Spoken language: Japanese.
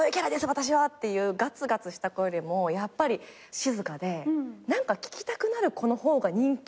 私は！っていうガツガツした子よりもやっぱり静かで何か聞きたくなる子の方が人気が出たんですよ。